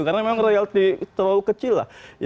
karena memang royalti terlalu kecil